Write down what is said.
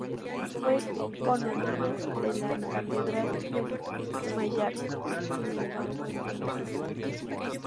Fue canónigo de la catedral de Mallorca.